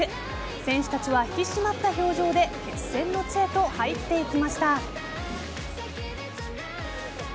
選手たちは引き締まった表情で決戦の地へと入っていきました。